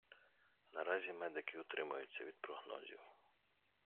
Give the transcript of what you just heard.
Наразі медики утримуються від прогнозів.